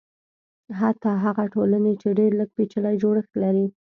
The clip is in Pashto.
حتی هغه ټولنې چې ډېر لږ پېچلی جوړښت لري.